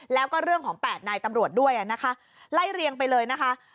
แล้วก็เรื่องของ๘นายตำรวจด้วยนะคะไล่เรียงไปเลยนะคะ